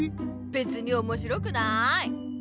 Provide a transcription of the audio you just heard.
べつにおもしろくない。